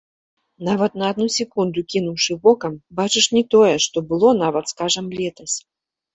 Нават на адну секунду кінуўшы вокам, бачыш не тое, што было нават, скажам, летась.